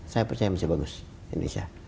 saya percaya masih bagus indonesia